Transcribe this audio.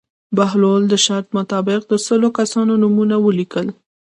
بهلول د شرط مطابق د سلو کسانو نومونه ولیکل.